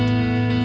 oke sampai jumpa